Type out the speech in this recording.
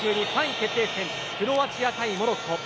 決定戦クロアチア対モロッコ。